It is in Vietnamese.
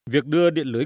việc đưa điện lưới